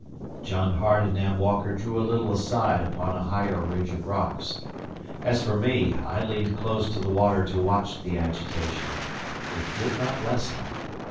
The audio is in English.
John Hart and Nab Walker drew a little aside upon a higher ridge of rocks. As for me, I leaned close to the water to watch the agitation. It did not lessen.